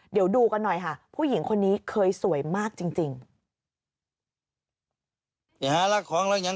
เดี๋ยวดูกันหน่อยค่ะผู้หญิงคนนี้เคยสวยมากจริง